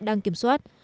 đang kiểm soát